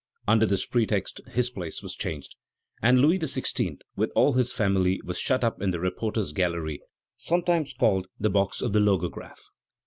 Under this pretext his place was changed, and Louis XVI. with all his family was shut up in the reporters' gallery, sometimes called the box of the Logograph.